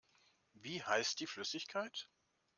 Wie heißt die Flüssigkeit?